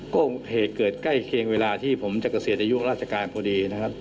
ก็เหตุเกิดใกล้เคียงเวลาที่ผมจะเกษียณอายุราชการพอดีนะครับ